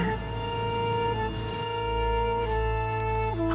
aku tidak mau